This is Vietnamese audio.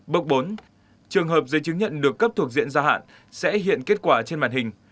bước bốn trường hợp giấy chứng nhận được cấp thuộc diện gia hạn sẽ hiện kết quả trên màn hình